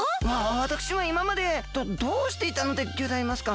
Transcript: わたくしはいままでどどうしていたんでギョざいますか？